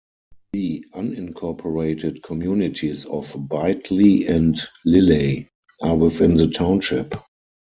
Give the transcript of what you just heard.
The unincorporated communities of Bitely and Lilley are within the township.